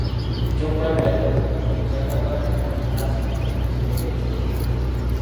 Ekyokulabirako kye ky’akapande kano akaasangibwa mu kibiina ekyokubiri.